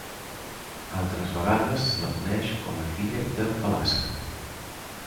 Altres vegades se la coneix com a filla de Pelasg.